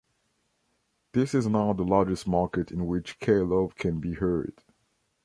This is now the largest market in which K-Love can be heard.